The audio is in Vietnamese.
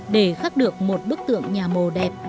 để khắc được một bức tượng nhà mồ đẹp